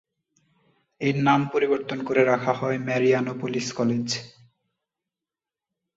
এর নাম পরিবর্তন করে রাখা হয় মারিয়ানোপোলিস কলেজ।